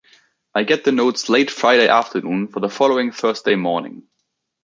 I get the notes late Friday afternoon for the following Thursday morning.